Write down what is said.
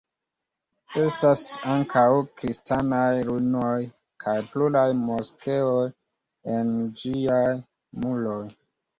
Estas ankaŭ kristanaj ruinoj kaj pluraj moskeoj ene ĝiaj muroj.